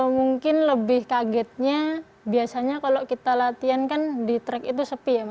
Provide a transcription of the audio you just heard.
mungkin lebih kagetnya biasanya kalau kita latihan kan di track itu sepi ya